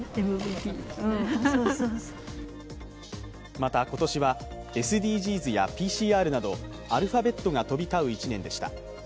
また、今年はＳＤＧｓやＰＣＲなどアルファベットが飛び交う１年でした。